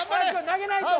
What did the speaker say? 投げないと。